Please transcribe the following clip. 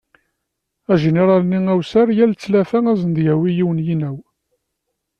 Ajiniral-nni awessar yal ttlata ad sen-d-yawi yiwen yinaw.